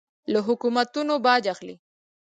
له حکومتونو باج اخلي.